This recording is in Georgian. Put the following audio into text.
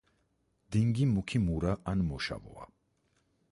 დინგი მუქი მურა ან მოშავოა.